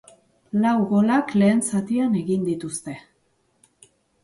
Lau golak lehen zatian egin dituzte.